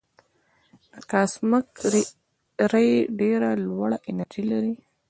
د کاسمک رې ډېره لوړه انرژي لري.